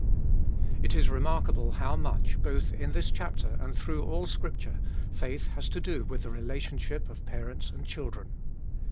IT is remarkable how much, both in this chapter and through all Scripture, faith has to do with the relationship of parents and children.